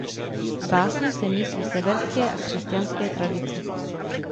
V básni se mísí severské a křesťanské tradice.